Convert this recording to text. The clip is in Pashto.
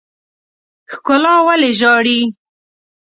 ښکلا ولې ژاړي.